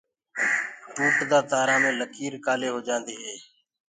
ٽوٽدآ تآرآ مي لڪيٚر ڪآلي هوجآنديٚ هي؟